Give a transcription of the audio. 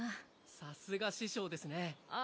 さすが師匠ですねああ